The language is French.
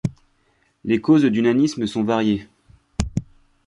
Les causes du nanisme sont variées.